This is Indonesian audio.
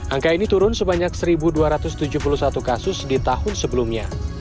angka ini turun sebanyak satu dua ratus tujuh puluh satu kasus di tahun sebelumnya